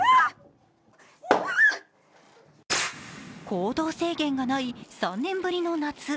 行動制限がない３年ぶりの夏。